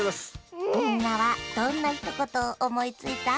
みんなはどんなひとことをおもいついた？